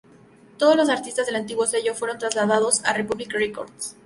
Todo los artistas del antiguo sello fueron trasladados a Republic Records.